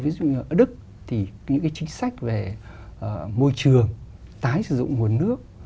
ví dụ như ở đức thì những cái chính sách về môi trường tái sử dụng nguồn nước